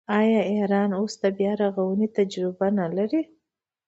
آیا ایران اوس د بیارغونې تجربه نلري؟